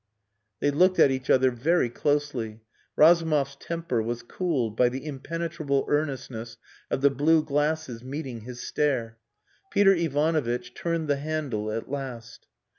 They looked at each other very closely. Razumov's temper was cooled by the impenetrable earnestness of the blue glasses meeting his stare. Peter Ivanovitch turned the handle at last.